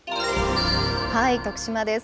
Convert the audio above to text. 徳島です。